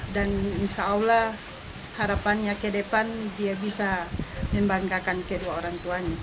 dan insya allah harapannya ke depan dia bisa membanggakan kedua orang tuanya